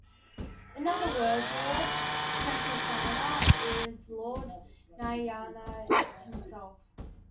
In other words, Lord Sankarshana is Lord Narayana himself.